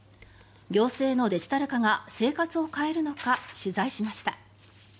行政のデジタル化が生活を変えるのか取材しました。